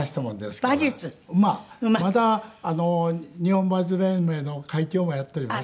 また日本馬術連盟の会長もやっております。